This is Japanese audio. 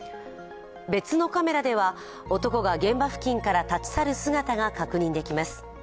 別のカメラでは男が現場付近から立ち去る姿が確認できます。